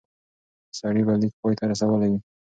سړی به لیک پای ته رسولی وي.